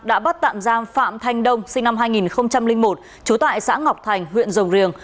đã bắt tạm giam phạm thanh đông sinh năm hai nghìn một trú tại xã ngọc thành huyện rồng riềng